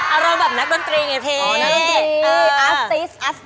อารมณ์แบบนักดนตรีไงพี่อ๋อนักดนตรีอาร์ติสอาร์ติส